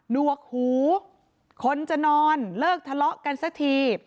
วกหูคนจะนอนเลิกทะเลาะกันสักที